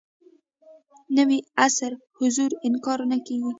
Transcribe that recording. نوي عصر حضور انکار نه کېږي.